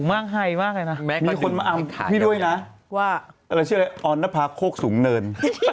อะไรชื่อออนนพรรคโฆกสูงเนิน